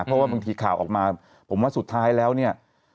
เพราะว่าบางทีข่าวออกมาผมว่าสุดท้ายแล้วเนี่ย